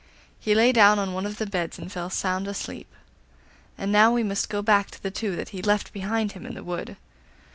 He lay down on one of the beds and fell sound asleep. And now we must go back to the two that he left behind him in the wood.